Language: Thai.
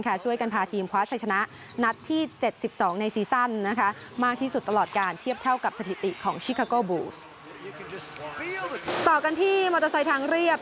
ต่อกันที่มอเตอร์ไซค์ทางเรียบ